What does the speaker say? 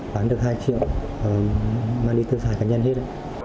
bán được hai triệu mang đi tư thải cá nhân hết